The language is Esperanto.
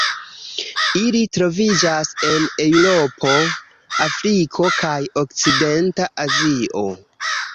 Ili troviĝas en Eŭropo, Afriko kaj okcidenta Azio.